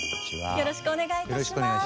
よろしくお願いします。